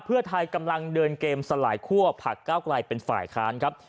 เพื่อไทยกำลังเดินเกมสลายคั่วผักเก้าไกลเป็นฝ่ายค้านครับ